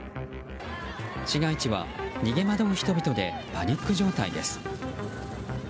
市街地は逃げ惑う人々でパニック状態です。